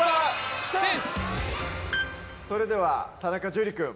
それでは田中樹くん。